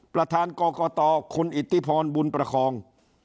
ประธานกรกตคุณอิทธิพรบุญประคอง